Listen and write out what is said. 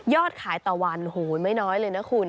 ขายต่อวันโหไม่น้อยเลยนะคุณ